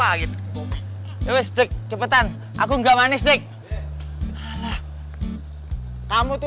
kamu itu kalau tapi l economics tapi pendek mistakes dari baris baris aja kamu tuh